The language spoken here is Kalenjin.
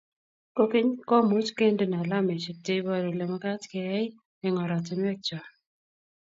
kogeny, komuch kendene alameshek cheibaru olemagat keyaii eng oratinwek choo